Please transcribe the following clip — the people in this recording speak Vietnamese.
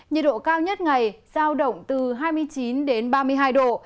nhiệt độ cao nhất ngày giao động từ hai mươi chín ba mươi hai độ